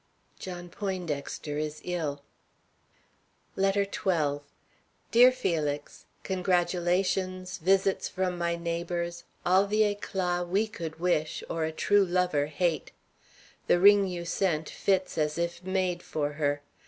John Poindexter is ill. LETTER XII. DEAR FELIX: Congratulations: visits from my neighbors; all the éclat we could wish or a true lover hate. The ring you sent fits as if made for her.